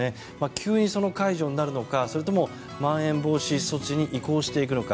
急に解除になるのかそれともまん延防止措置に移行していくのか。